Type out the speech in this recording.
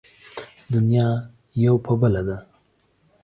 دنيا يو په بله ده.